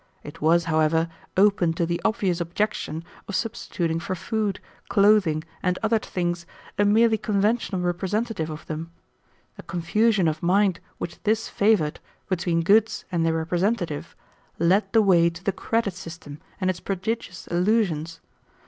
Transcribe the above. It was, however, open to the obvious objection of substituting for food, clothing, and other things a merely conventional representative of them. The confusion of mind which this favored, between goods and their representative, led the way to the credit system and its prodigious illusions.